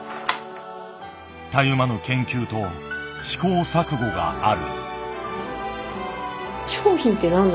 たゆまぬ研究と試行錯誤がある。